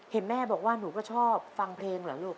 เห็นแม่บอกว่าหนูก็ชอบฟังเพลงเหรอลูก